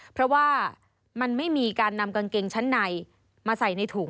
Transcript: เพราะว่ามันไม่มีการนำกางเกงชั้นในมาใส่ในถุง